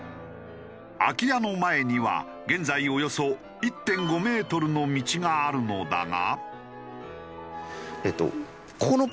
空き家の前には現在およそ１．５メートルの道があるのだが。